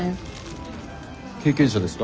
経験者ですか？